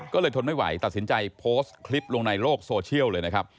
ก็เลยทนไม่ไหวตัดสินใจโพสต์คลิปลงในโลกโซเชียลเลยนะครับ